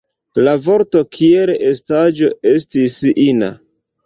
La vorto, kiel la estaĵo, estis ina.